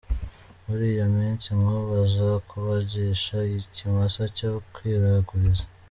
Muri iyo minsi, Nkuba aza kubagisha ikimasa cyo kwiraguriza.